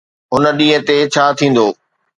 هن ڏينهن تي ڇا ٿيندو؟